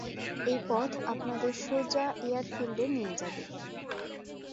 এই পড আপনাদের সোজা এয়ারফিল্ডে নিয়ে যাবে।